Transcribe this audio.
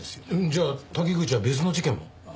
じゃあ滝口は別の事件も？